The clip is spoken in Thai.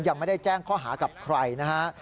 ยังไม่ได้แจ้งข้อหากับใครนะฮะ